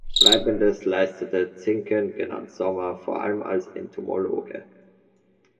Bleibendes leistete Zincken genannt Sommer vor allem als Entomologe.